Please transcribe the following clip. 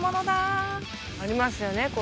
ありますよね